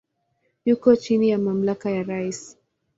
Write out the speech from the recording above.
Yuko chini ya mamlaka ya rais.